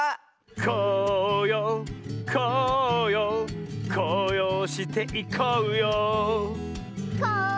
こうようこうようこうようしていこうようこう